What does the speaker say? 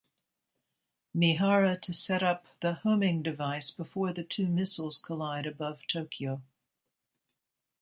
Mihara to set up the homing device before the two missiles collide above Tokyo.